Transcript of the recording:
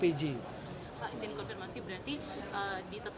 pak izin konfirmasi berarti